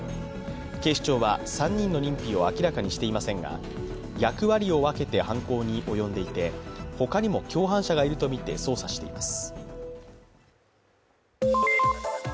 警視庁は３人の認否を明らかにしていませんが役割を分けて犯行に及んでいてほかにも共犯者がいるとみて捜査しています。